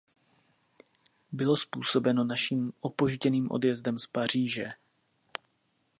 Bylo způsobeno naším opožděným odjezdem z Paříže.